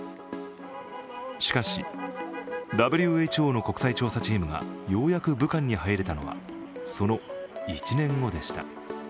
しかし、ＷＨＯの国際調査チームがようやく武漢に入れたのは、その１年後でした。